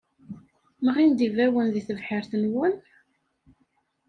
Mɣin-d ibawen deg tebḥirt-nwen?